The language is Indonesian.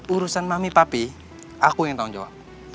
urusan mami papi aku yang tanggung jawab